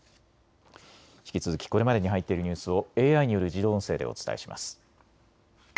引き続きこれまでに入っているニュースをＡＩによる自動音声でお伝えします。